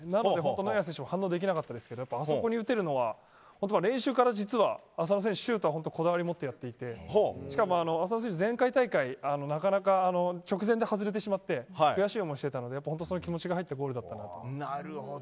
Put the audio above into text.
ノイヤー選手も反応できなかったですがあそこ打てるのは練習から実は浅野選手、シュートはこだわりを持ってやってて前回大会なかなか直前で外れてしまって悔しい思いをしていたので気持ちが入ったなるほど。